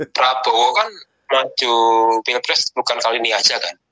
prabowo kan maju pilpres bukan kali ini aja kan